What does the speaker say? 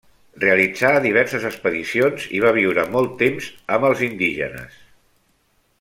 Realitzà diverses expedicions i va viure molt temps amb els indígenes.